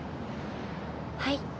はい？